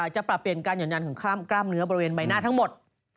จะปรับเปลี่ยนการหย่อยันของกล้ามเนื้อบริเวณใบหน้าทั้งหมด